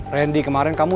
randy kemarin kamu